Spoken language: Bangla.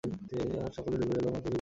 তারা সকলে ডুবে গেল ও দোযখবাসী হল।